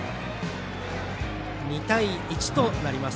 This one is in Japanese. ２対１となります。